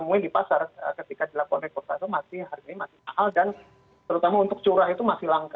namanya di pasar ketika dilakukan rekod asal masih harganya masih mahal dan terutama untuk curah itu masih langka